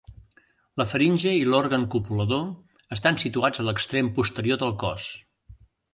La faringe i l'òrgan copulador estan situats a l'extrem posterior del cos.